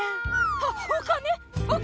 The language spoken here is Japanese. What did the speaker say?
あっ、お金？